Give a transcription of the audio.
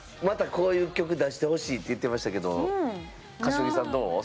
またこういう曲出してほしいって言ってましたけど柏木さんどう？